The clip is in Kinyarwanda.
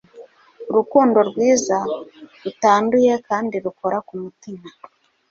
urukundo rwiza, rutanduye kandi rukora ku mutima